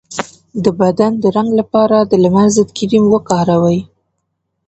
د بدن د رنګ لپاره د لمر ضد کریم وکاروئ